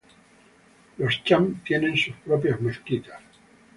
Los cham tienen sus propias mezquitas.